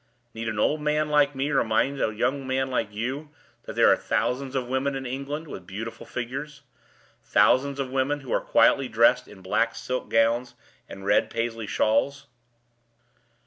Need an old man like me remind a young man like you that there are thousands of women in England with beautiful figures thousands of women who are quietly dressed in black silk gowns and red Paisley shawls?"